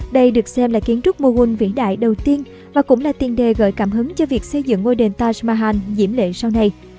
đây được xem là kiến trúc mughul vĩ đại đầu tiên và cũng là tiền đề gợi cảm hứng cho việc xây dựng ngôi đền taj mahal diễm lệ sau này